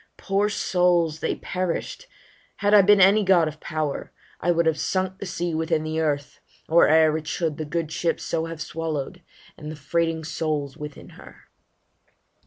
Poor souls! they perish'd Had I been any god of power, I would Have sunk the sea within the earth, or e'er It should the good ship so have swallow'd, and The freighting souls within her.